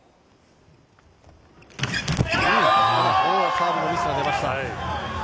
サーブのミスが出ました。